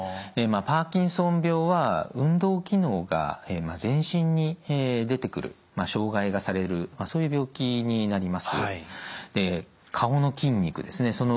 パーキンソン病は運動機能が全身に出てくる障害がされるそういう病気になります。